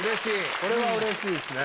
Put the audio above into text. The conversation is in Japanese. これはうれしいですね。